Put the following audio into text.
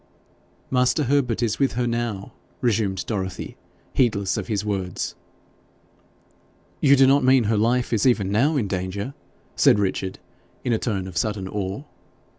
'Master Herbert is with her now,' resumed Dorothy, heedless of his words. 'You do not mean her life is even now in danger?' said Richard, in a tone of sudden awe.